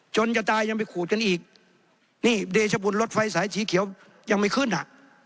จะตายยังไปขูดกันอีกนี่เดชบุญรถไฟสายสีเขียวยังไม่ขึ้นอ่ะ